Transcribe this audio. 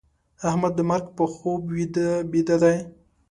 احمد د مرګ په خوب بيده دی.